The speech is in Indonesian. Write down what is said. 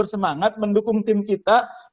semangat mendukung tim kita